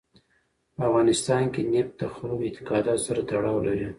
په افغانستان کې نفت د خلکو د اعتقاداتو سره تړاو لري.